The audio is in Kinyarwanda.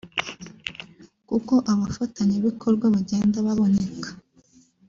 kuko abafatanyabikorwa bagenda baboneka